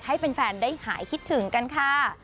ให้แฟนได้หายคิดถึงกันค่ะ